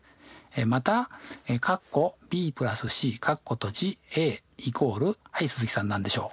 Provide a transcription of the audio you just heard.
またはい鈴木さん何でしょう？